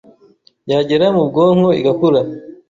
yagera mu bwonko igakura